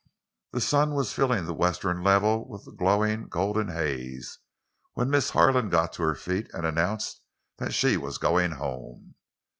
The sun was filling the western level with a glowing, golden haze when Miss Harlan got to her feet and announced that she was going home.